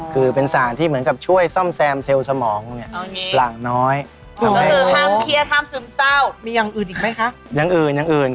คือเป็นสารที่เหมือนกับช่วยซ่อมแซมเซลล์สมองนี่